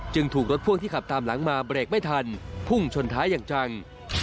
ถูกรถพ่วงที่ขับตามหลังมาเบรกไม่ทันพุ่งชนท้ายอย่างจัง